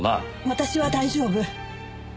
私は大丈夫。